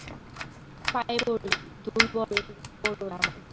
পায়ে পড়ি, দুর্বল কোরো না আমাকে।